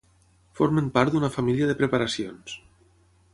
Formen part d'una família de preparacions